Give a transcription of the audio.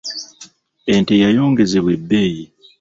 Ente yayongezebwa ebbeeyi .